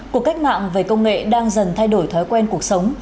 cuộc cách mạng về công nghệ đang dần thay đổi thói quen cuộc sống